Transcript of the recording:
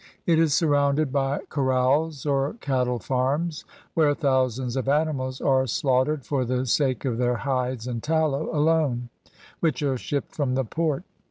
It is surrounded by corrals, or cattle farms, where thousands of animals are slaughtered for the sake of their hides and tallow alone, which are shipped from the port.